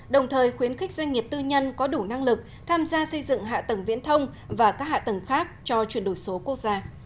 đồng thời khuyến khích doanh nghiệp tư nhân có đủ năng lực tham gia xây dựng hạ tầng viễn thông và các hạ tầng khác cho chuyển đổi số quốc gia